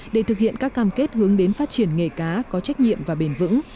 để thực hiện các cam kết hướng đến phát triển nghề cá có trách nhiệm và bền vững